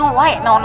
mau berjalan maunya